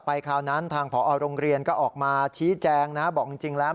ผอโรงเรียนก็ออกมาชี้แจงนะบอกจริงแล้ว